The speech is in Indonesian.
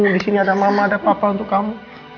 di sini ada mama ada papa untuk kamu